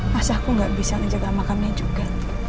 masa aku nggak bisa ngejaga makamnya juga